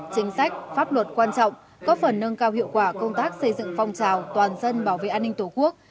chính sách pháp luật quan trọng có phần nâng cao hiệu quả công tác xây dựng phong trào toàn dân bảo vệ an ninh tổ quốc